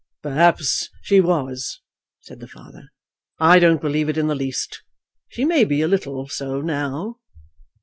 "Perhaps she was," said the father. "I don't believe it in the least. She may be a little so now."